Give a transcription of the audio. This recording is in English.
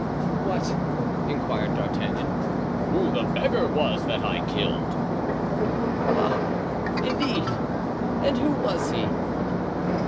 "What?" inquired D'Artagnan. "Who the beggar was that I killed." "Ah! indeed! and who was he?"